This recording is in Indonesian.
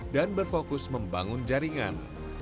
dan berfokus membangun jaringan